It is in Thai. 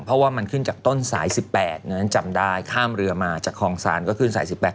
เพราะว่ามันขึ้นจากต้นสาย๑๘นั้นจำได้ข้ามเรือมาจากคลองศาลก็ขึ้นสาย๑๘